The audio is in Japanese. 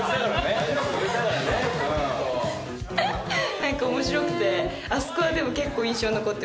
何か面白くてあそこは結構印象に残ってます。